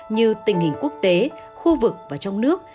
như tình hình quốc tế khu vực và trong nước